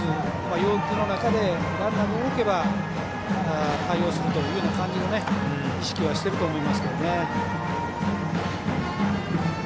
要求の中でランナーが動けば対応するという感じの意識はしていると思います。